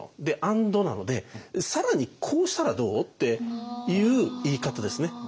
でアンドなので「さらにこうしたらどう？」っていう言い方ですね。